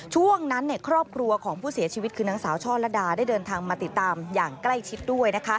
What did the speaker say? ช่วงนั้นครอบครัวของผู้เสียชีวิตคือนางสาวช่อละดาได้เดินทางมาติดตามอย่างใกล้ชิดด้วย